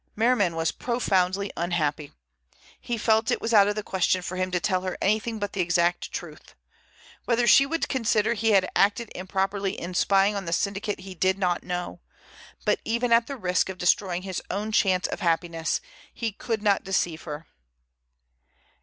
Merriman was profoundly unhappy. He felt it was out of the question for him to tell her anything but the exact truth. Whether she would consider he had acted improperly in spying on the syndicate he did not know, but even at the risk of destroying his own chance of happiness he could not deceive her.